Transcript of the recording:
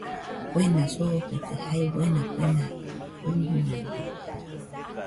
Kuena soofete jae buena kuena uiñede